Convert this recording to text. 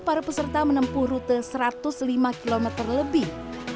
para peserta menempuh rute satu ratus lima km lebih